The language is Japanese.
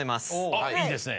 あっいいですね。